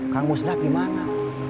kamu sudah pergi mana